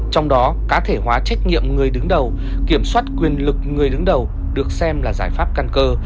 trong đó cá thể hóa trách nhiệm người đứng đầu kiểm soát quyền lực người đứng đầu được xem là giải pháp căn cơ